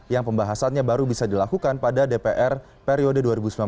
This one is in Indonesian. yang pembahasannya baru bisa dilakukan pada dpr periode dua ribu sembilan belas dua ribu dua puluh